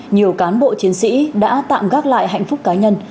nhiều cán bộ chiến sĩ đã tạm gác lại hạnh phúc cá nhân